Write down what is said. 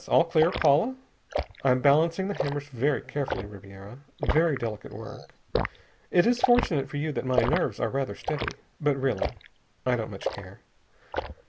All clear, Paula? I'm balancing the hammers very carefully, Ribiera. Very delicate work. It is fortunate for you that my nerves are rather steady. But really, I don't much care....